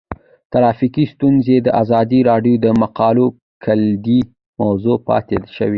ټرافیکي ستونزې د ازادي راډیو د مقالو کلیدي موضوع پاتې شوی.